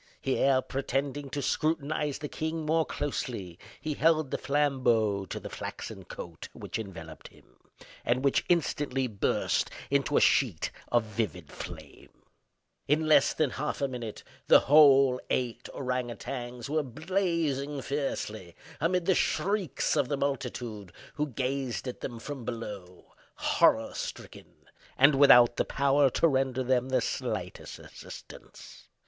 Here, pretending to scrutinize the king more closely, he held the flambeau to the flaxen coat which enveloped him, and which instantly burst into a sheet of vivid flame. In less than half a minute the whole eight ourang outangs were blazing fiercely, amid the shrieks of the multitude who gazed at them from below, horror stricken, and without the power to render them the slightest assistance.